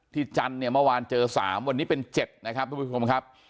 จันทร์เนี่ยเมื่อวานเจอ๓วันนี้เป็น๗นะครับทุกผู้ชมครับ